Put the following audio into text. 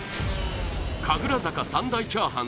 「神楽坂三大チャーハン」